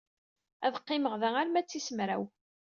Ad qqimeɣ da arma d tis mraw.